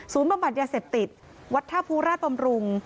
ศูนย์บำบัดยาเสพติศวัฒนภูราชปำรุง